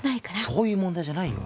そういう問題じゃないよ。